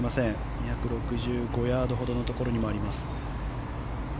２６５ヤードほどのところにもあります。